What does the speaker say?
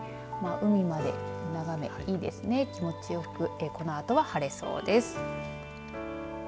海まで眺めいいですね、気持ちよくこのあとは晴れそうです。